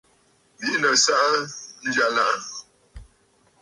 Bìʼinə̀ saʼa njyàlàʼà.